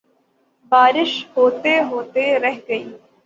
بارش ہوتے ہوتے رہ گئی